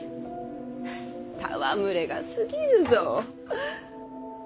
戯れがすぎるぞ。